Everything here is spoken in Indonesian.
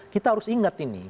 kita harus ingat ini